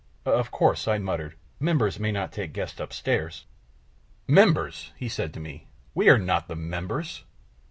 "Of course," I muttered, "members may not take guests upstairs." "Members!" he said to me. "We are not the members!"